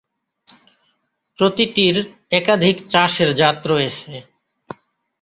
প্রতিটির একাধিক চাষের জাত রয়েছে।